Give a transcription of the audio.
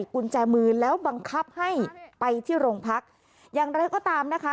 กุญแจมือแล้วบังคับให้ไปที่โรงพักอย่างไรก็ตามนะคะ